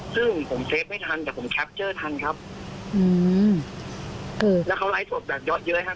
ซึ่งผมเซฟไม่ทันแต่ผมทันครับอืมแล้วเขาร้ายสดแบบยอดเยอะครับ